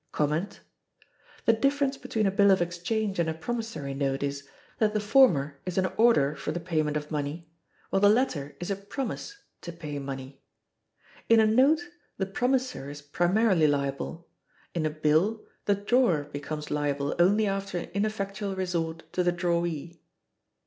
The difference between a bill of exchange and a promissory note is, that the former is an order for the payment of money, while the latter is a promise to pay money. In a note the promissor is primarily liable; in a bill the drawer becomes liable only after an ineffectual resort to the drawee.